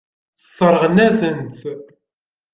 Sseṛɣen-asen-tt.